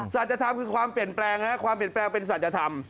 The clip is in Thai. สัจธรรมคือความเปลี่ยนแปลงความเปลี่ยนแปลงเป็นศัลยธรรม